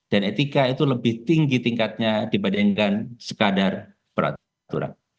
dan etika itu lebih tinggi tingkatnya dibandingkan sekadar peraturan